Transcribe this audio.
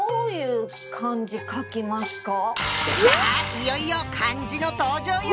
いよいよ漢字の登場よ！